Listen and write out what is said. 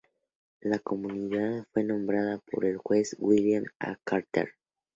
La comunidad fue nombrada por el juez William A. Carter.